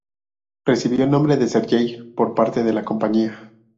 Recibió el nombre "Sergei" por parte de la compañía.